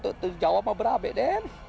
atau kalau terjawab berapa den